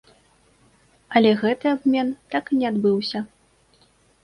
Але гэты абмен так і не адбыўся.